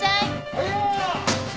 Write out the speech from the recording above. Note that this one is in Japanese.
はいよ！